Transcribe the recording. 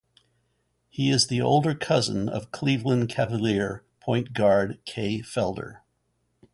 He is the older cousin of Cleveland Cavalier point guard Kay Felder.